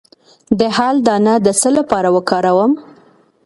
د هل دانه د څه لپاره وکاروم؟